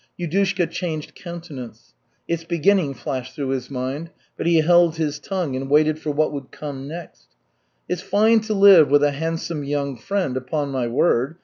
Yudushka changed countenance. "It's beginning," flashed through his mind; but he held his tongue and waited for what would come next. "It's fine to live with a handsome young friend, upon my word.